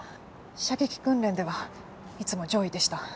射撃訓練ではいつも上位でした。